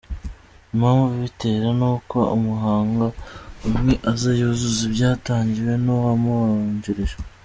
Impamvu ibitera ni uko umuhanga umwe aza yuzuza ibyatangiwe n’uwamubanjirije.